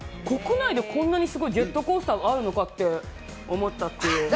国内でこんなにすごいジェットコースターがあるのかと思ったという。